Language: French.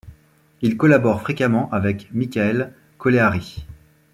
Il collabore fréquemment avec Michael Colleary.